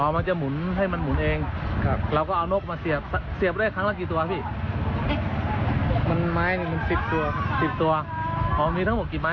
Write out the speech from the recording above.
วันหนึ่งวันหนึ่งเคยขายสูงสุดที่ได้กี่ตัวพี่